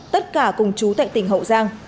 tất cả cùng trú tại tỉnh hậu giang